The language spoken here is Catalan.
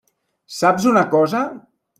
Saps una cosa?